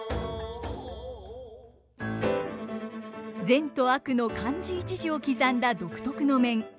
善と悪の漢字一字を刻んだ独特の面。